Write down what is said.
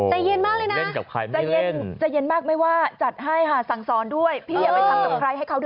แล้วที่พี่ไม่มีเงินไปรักษา